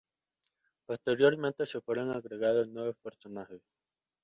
Posteriormente se fueron agregados nuevos personajes.